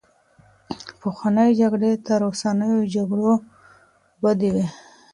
پخوانۍ جګړې تر اوسنيو جګړو بدې وې.